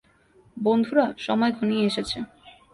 বন্ধুরা, সময় ঘনিয়ে এসেছে।